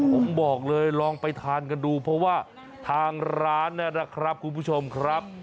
ผมบอกเลยลองไปทานกันดูเพราะว่าทางร้านนะครับคุณผู้ชมครับ